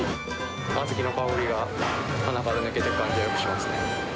小豆の香りが鼻から抜けていく感じはよくしますね。